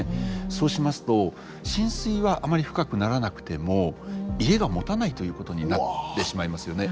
そうしますと浸水はあまり深くならなくても家がもたないということになってしまいますよね。